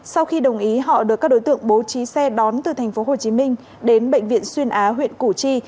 sau khi đồng ý họ được các đối tượng bố trí xe đón từ tp hcm đến bệnh viện xuyên á huyện củ chi